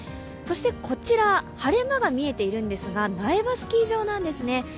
そしてこちら、晴れ間が見えているんですが苗場スキー場なんですね